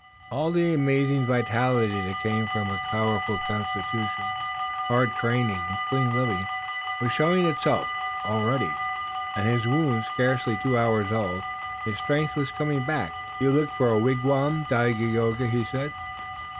All the amazing vitality that came from a powerful constitution, hard training and clean living was showing itself. Already, and his wound scarcely two hours old, his strength was coming back. "You look for a wigwam, Dagaeoga?" he said.